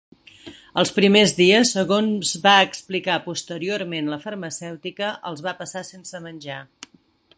Els primers dies, segons va explicar posteriorment la farmacèutica, els va passar sense menjar.